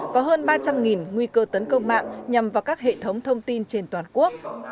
có hơn ba trăm linh nguy cơ tấn công mạng nhằm vào các hệ thống thông tin trên toàn quốc